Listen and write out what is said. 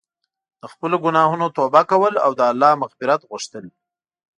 د خپلو ګناهونو توبه کول او د الله مغفرت غوښتل.